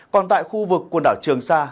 còn tại khu vực quần đảo trường sa